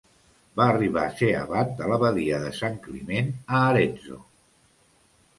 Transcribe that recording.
Va arribar a ser abat de l'Abadia de Sant Climent, a Arezzo.